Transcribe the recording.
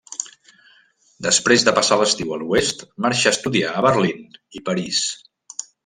Després de passar l'estiu a l'Oest marxà a estudiar a Berlín i París.